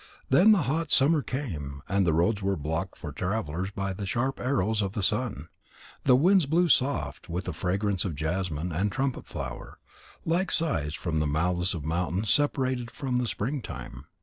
Then the hot summer came, and the roads were blocked for travellers by the sharp arrows of the sun. The winds blew soft with the fragrance of jasmine and trumpet flower, like sighs from the mouths of mountains separated from the springtime.